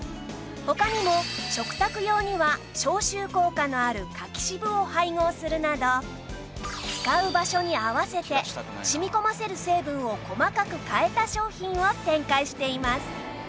他にも食卓用には消臭効果のある柿渋を配合するなど使う場所に合わせて染み込ませる成分を細かく変えた商品を展開しています